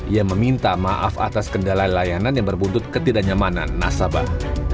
ia meminta maaf atas kendala layanan yang berbuntut ketidaknyamanan nasabah